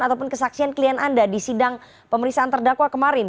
ataupun kesaksian klien anda di sidang pemeriksaan terdakwa kemarin